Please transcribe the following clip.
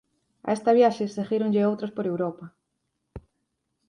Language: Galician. A esta viaxe seguíronlle outras por Europa.